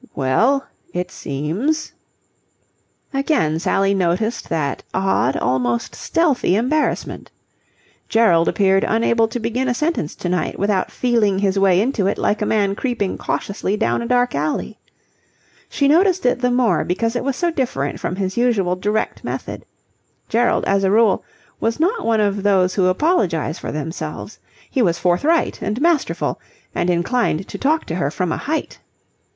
"Well, it seems..." Again Sally noticed that odd, almost stealthy embarrassment. Gerald appeared unable to begin a sentence to night without feeling his way into it like a man creeping cautiously down a dark alley. She noticed it the more because it was so different from his usual direct method. Gerald, as a rule, was not one of those who apologize for themselves. He was forthright and masterful and inclined to talk to her from a height.